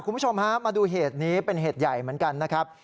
คุณผู้ชมฮะมาดูเหตุนี้เป็นเหตุใหญ่เหมือนกันนะครับ